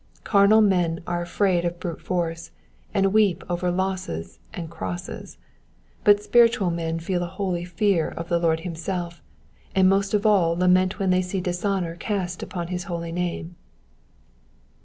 Carnal men are afraid of brute force, and weep over losses and crosses ; but spiritual men feel a holy fear of the Lord himself, and most of all lament when they see dishonour cast upon his holy name.